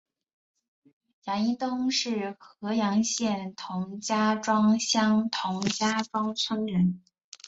杨荫东是合阳县同家庄乡同家庄村人。